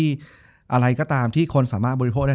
จบการโรงแรมจบการโรงแรม